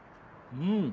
うん！